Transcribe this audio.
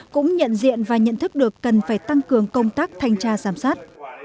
cũng nhận diện và nhận thức được cần phải tăng cường công tác thanh tra giám sát